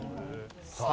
さあ